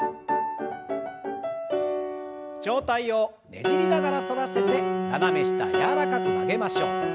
上体をねじりながら反らせて斜め下柔らかく曲げましょう。